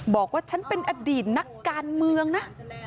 บอกว่าฉันเป็นอดีตนักการเมืองนะ